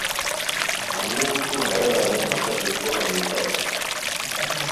ہنون تو ہیہ رازو مہ ݯاکئے سورا نیتاؤ